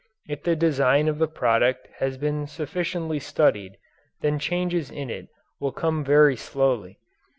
If the design of the product has been sufficiently studied, then changes in it will come very slowly.